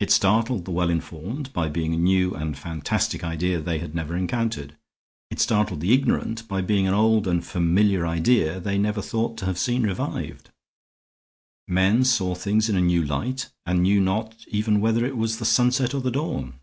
It startled the well informed by being a new and fantastic idea they had never encountered. It startled the ignorant by being an old and familiar idea they never thought to have seen revived. Men saw things in a new light, and knew not even whether it was the sunset or the dawn.